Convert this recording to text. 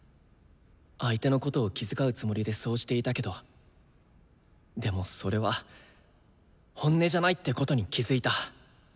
相手のことを気遣うつもりでそうしていたけどでもそれは「本音」じゃないってことに気付いた。